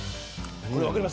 これわかります？